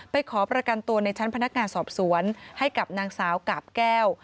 ขอประกันตัวในชั้นพนักงานสอบสวนให้กับนางสาวกาบแก้ว